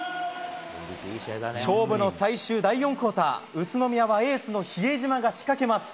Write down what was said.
勝負の最終第４クオーター、宇都宮はエースの比江島が仕掛けます。